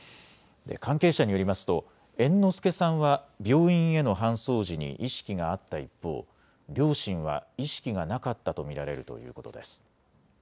関係者によりますと猿之助さんは病院への搬送時に意識があった一方、両親は意識がなかったと見られるということです。